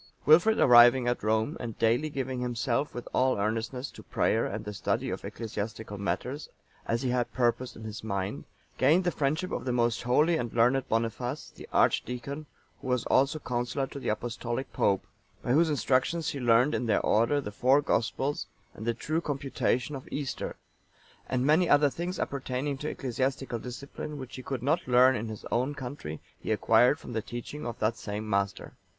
Wilfrid arriving at Rome, and daily giving himself with all earnestness to prayer and the study of ecclesiastical matters, as he had purposed in his mind, gained the friendship of the most holy and learned Boniface, the archdeacon,(899) who was also counsellor to the Apostolic Pope, by whose instruction he learned in their order the four Gospels, and the true computation of Easter; and many other things appertaining to ecclesiastical discipline, which he could not learn in his own country, he acquired from the teaching of that same master.